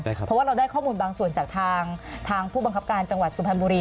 เพราะว่าเราได้ข้อมูลบางส่วนจากทางผู้บังคับการจังหวัดสุพรรณบุรี